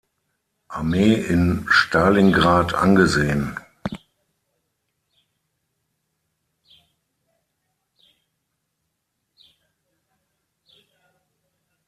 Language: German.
Armee in Stalingrad angesehen.